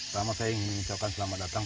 selamat saya ingin menyebutkan selamat datang